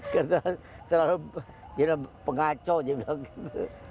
karena terlalu pengacau dia bilang begitu